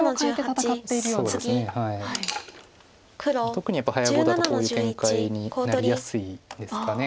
特にやっぱり早碁だとこういう展開になりやすいですか。